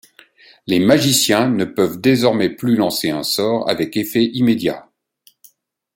Les magiciens ne peuvent désormais plus lancer un sort avec effet immédiat.